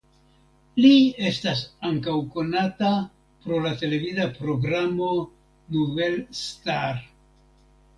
Li estas ankaŭ konata pro la televida programo "Nouvelle Star".